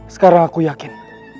sekarang aku yakin